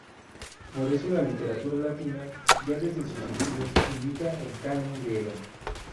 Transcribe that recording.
Por eso la literatura latina, ya desde sus inicios, imita el canon griego.